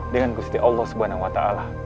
dengan gusti allah subhanahu wa ta'ala